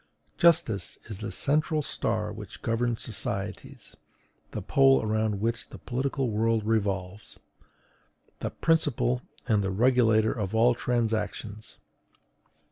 Justice is the central star which governs societies, the pole around which the political world revolves, the principle and the regulator of all transactions.